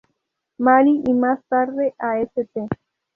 Mary, y más tarde a St.